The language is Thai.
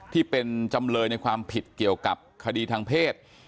จำเลยในความผิดเกี่ยวกับคดีทางเพศ